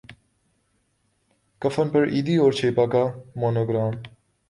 کفن پر ایدھی اور چھیپا کا مونو گرام